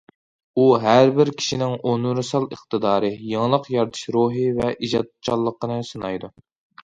ئۇ ھەر بىر كىشىنىڭ ئۇنىۋېرسال ئىقتىدارى، يېڭىلىق يارىتىش روھى ۋە ئىجادچانلىقىنى سىنايدۇ.